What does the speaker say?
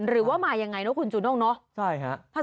หรือว่ามาอย่างไรเนอะคุณจุนกเนอะ